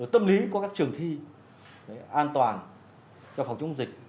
tâm lý của các trường thi an toàn cho phòng chống dịch